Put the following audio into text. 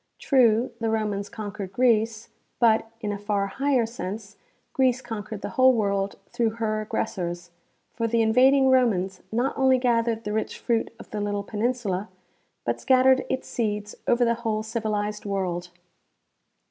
True, the Romans conquered Greece, but, in a far higher sense, Greece conquered the whole world through her aggressors, for the invading Romans not only gathered the rich fruit of the little peninsula but scattered its seeds over the whole civilized world.